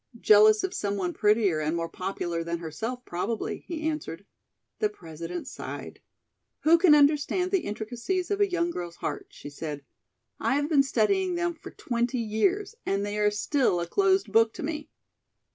"Jealous of some one prettier and more popular than herself, probably," he answered. The President sighed. "Who can understand the intricacies of a young girl's heart," she said. "I have been studying them for twenty years, and they are still a closed book to me."